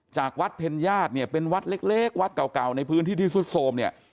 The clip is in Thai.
จากวัดเพ็ญญาติเนี่ยเป็นวัดเล็กวัดเก่าในพื้นที่ที่สุดโทรมเนี่ย